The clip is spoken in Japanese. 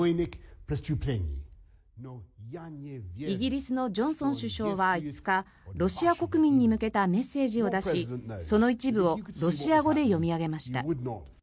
イギリスのジョンソン首相は５日ロシア国民に向けたメッセージを出しその一部をロシア語で読み上げました。